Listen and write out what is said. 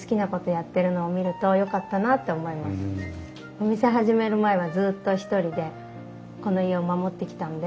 お店始める前はずっと一人でこの家を守ってきたので。